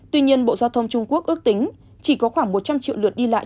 tuy nhiên bộ giao thông trung quốc ước tính chỉ có khoảng một trăm linh triệu lượt đi lại